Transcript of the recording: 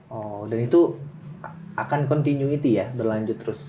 jadi ini adalah kontinuasi ya berlanjut terus